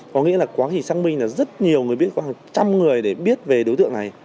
có nghĩa là quá khỉ xác minh là rất nhiều người biết khoảng trăm người để biết về đối tượng này